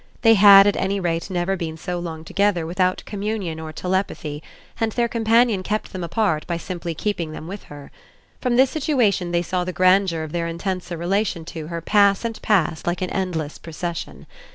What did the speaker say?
They had at any rate never been so long together without communion or telegraphy, and their companion kept them apart by simply keeping them with her. From this situation they saw the grandeur of their intenser relation to her pass and pass like an endless procession.